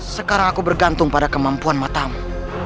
sekarang aku bergantung pada kemampuan matamu